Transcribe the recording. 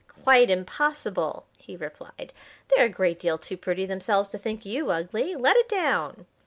"Quite impossible!" he replied. "They're a great deal too pretty themselves to think you ugly. Let it down!"